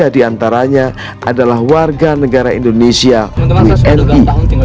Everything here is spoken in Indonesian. satu ratus empat puluh tiga diantaranya adalah warga negara indonesia uni